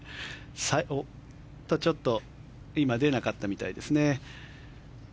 ちょっと今出なかったみたいですね。